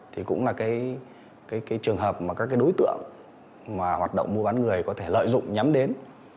thì cũng là trường hợp mà các đối tượng hoạt động mua bán người có thể lợi dụng nhắm đến